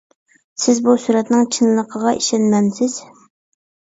سىز بۇ سۈرەتنىڭ چىنلىقىغا ئىشەنمەمسىز؟